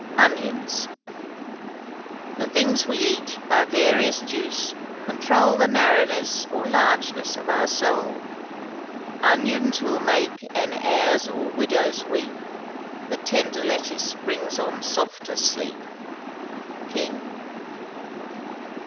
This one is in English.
ONIONS. The things we eat, by various juice control The narrowness or largeness of our soul. Onions will make e'en heirs or widows weep; The tender lettuce brings on softer sleep. KING.